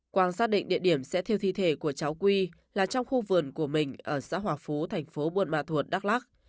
quang xác định địa điểm sẽ thiêu thi thể của cháu quy là trong khu vườn của mình ở xã hòa phú thành phố buôn ma thuột đắk lắc